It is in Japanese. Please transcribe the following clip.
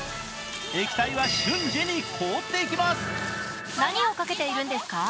液体は瞬時に凍っていきます。